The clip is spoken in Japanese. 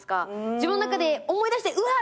自分の中で思い出してうわっ！